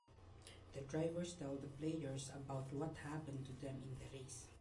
The drivers tell the players about what happened to them in the race.